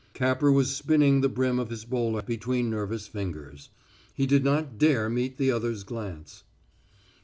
Capper was spinning the brim of his bowler between nervous fingers. He did not dare meet the other's glance.